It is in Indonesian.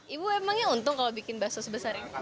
ibu emangnya untung kalau bikin bakso sebesar ini